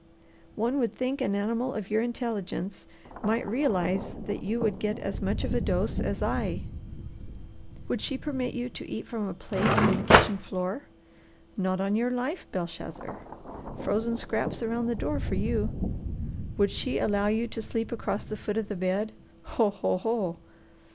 One would think an animal of your intelligence might realize that you would get as much of a dose as I. Would she permit you to eat from a plate on the kitchen floor? Not on your life, Belshazzar! Frozen scraps around the door for you! Would she allow you to sleep across the foot of the bed? Ho, ho, ho!